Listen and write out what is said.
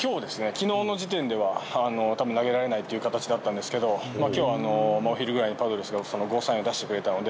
きのうの時点では、たぶん投げられないっていう形だったんですけど、きょう、もう昼ぐらいに、パドレスがゴーサインを出してくれたので。